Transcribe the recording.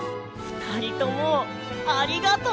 ふたりともありがとう！